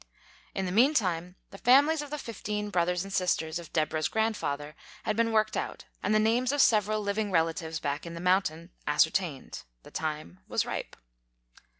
In the meantime, the families of the fifteen brothers and sisters of Deborah's grandfather had been worked out, and the names of several living relatives back in the mountain ascertained. The time was ripe.